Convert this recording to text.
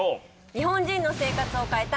日本人の生活を変えた！